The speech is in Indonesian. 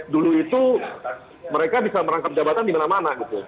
dulu itu mereka bisa merangkap jabatan di mana mana gitu